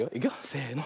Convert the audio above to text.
せの。